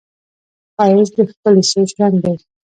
ښایست د ښکلي سوچ رنګ دی